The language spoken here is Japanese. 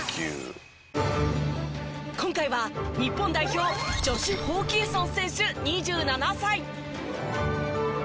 今回は日本代表ジョシュ・ホーキンソン選手２７歳。